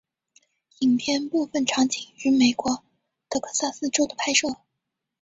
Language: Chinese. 影片部分场景于美国德克萨斯州的拍摄。